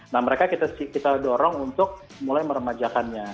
nah mereka kita dorong untuk mulai meremajakannya